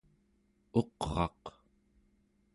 uqraq